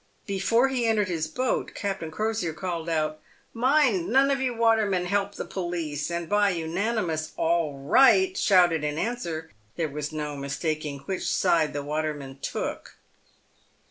Before he entered his boat, Captain Crosier called out, " Mind, none of you watermen help the police;" and by the unanimous "All right!" shouted in answer, there was no mistaking which side the watermen took.